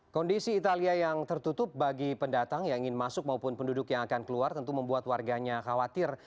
kondisi italia yang tertutup bagi pendatang yang ingin masuk maupun penduduk yang akan keluar tentu membuat warganya khawatir